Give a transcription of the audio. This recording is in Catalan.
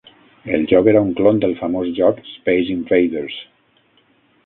El joc era un clon del famós joc "Space Invaders".